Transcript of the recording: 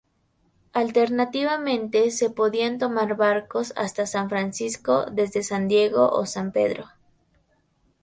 Alternativamente se podían tomar barcos hasta San Francisco desde San Diego o San Pedro.